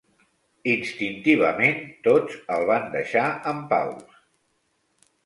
Instintivament, tots el van deixar en paus.